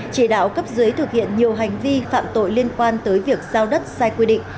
chỉ đạo cấp dưới thực hiện nhiều hành vi phạm tội liên quan tới việc giao đất sai quy định